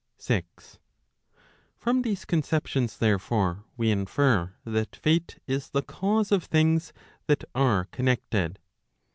6. From these conceptions therefore, we infer that Fate is the cause of things that are connected.